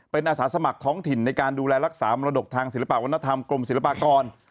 เป็นอาสาสมัครท้องถิ่นในการดูแลรักษามรดกทางศิลปะวัฒนธรรมกรมศิลปากร